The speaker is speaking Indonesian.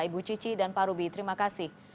ibu cici dan pak ruby terima kasih